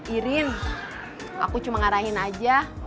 irin aku cuma ngarahin aja